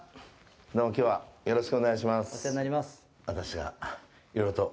どうもきょうはよろしくお願いします。